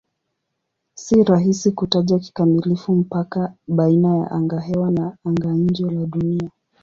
Si rahisi kutaja kikamilifu mpaka baina ya angahewa na anga-nje la Dunia.